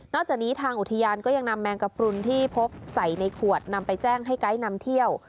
จากนี้ทางอุทยานก็ยังนำแมงกระปุนที่พบใส่ในขวดนำไปแจ้งให้ไกด์นำเที่ยว